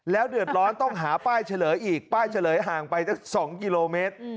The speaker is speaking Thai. เดือดร้อนต้องหาป้ายเฉลยอีกป้ายเฉลยห่างไปสัก๒กิโลเมตร